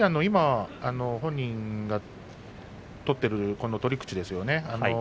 本人は今取っている取り口ですよね。